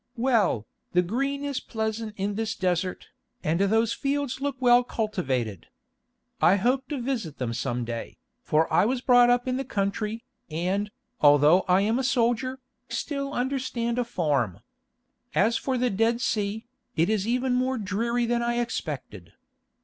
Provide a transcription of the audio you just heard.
Well, the green is pleasant in this desert, and those fields look well cultivated. I hope to visit them some day, for I was brought up in the country, and, although I am a soldier, still understand a farm. As for the Dead Sea, it is even more dreary than I expected.